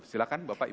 silahkan bapak ibu